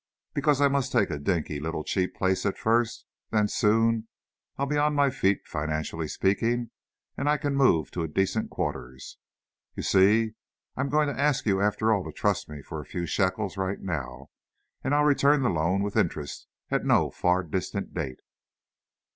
"Because I must take a dinky little cheap place at first, then soon, I'll be on my feet, financially speaking, and I can move to decenter quarters. You see, I'm going to ask you after all to trust me with a few shekels, right now, and I'll return the loan, with interest, at no far distant date."